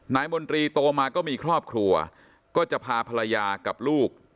มนตรีโตมาก็มีครอบครัวก็จะพาภรรยากับลูก